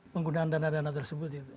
penggunaan dana dana tersebut